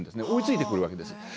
追いついてくるわけです。